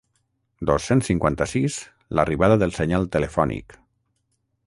Dos-cents cinquanta-sis l'arribada del senyal telefònic.